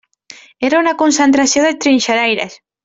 Era una concentració de trinxeraires.